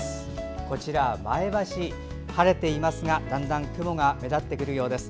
こちら、前橋は晴れていますがだんだん雲が目立ってくるようです。